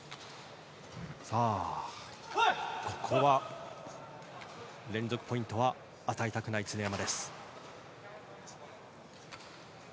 ここは連続ポイントは与えたくない常山。